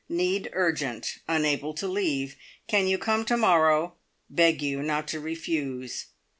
Need urgent. Unable to leave. Can you come to morrow. Beg you not to refuse.